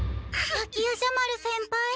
滝夜叉丸先輩。